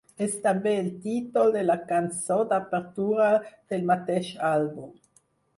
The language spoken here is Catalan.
És també el títol de la cançó d'apertura del mateix àlbum.